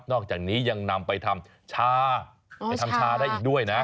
อกจากนี้ยังนำไปทำชาไปทำชาได้อีกด้วยนะ